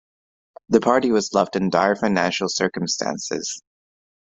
The party was left in dire financial circumstances.